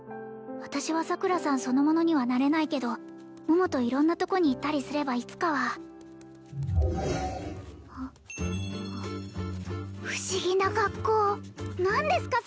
私は桜さんそのものにはなれないけど桃と色んなとこに行ったりすればいつかは不思議な格好何ですか？